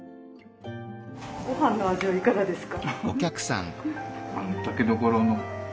ごはんの味はいかがですか？